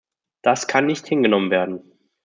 Dass kann nicht hingenommen werden.